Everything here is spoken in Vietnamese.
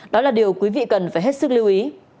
đó là điều quý vị cần phải hết sức lưu ý